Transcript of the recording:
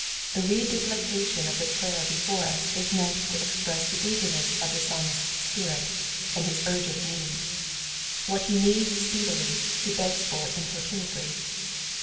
The reduplication of the prayer before us is meant to express the ^igemess of the Psalmist's spirit and his urgent need : what he needed speedily he begs for importunately.